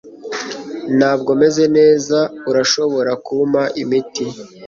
Ntabwo meze neza Urashobora kumpa imiti